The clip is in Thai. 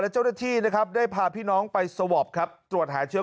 เจ้าหน้าที่นะครับได้พาพี่น้องไปสวอปครับตรวจหาเชื้อ